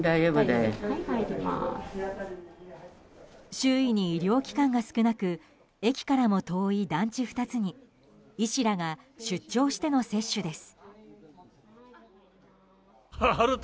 周囲に医療機関が少なく駅からも遠い団地２つに医師らが出張しての接種です。